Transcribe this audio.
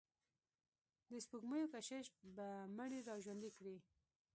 د سپوږمیو کشش به مړي را ژوندي کړي.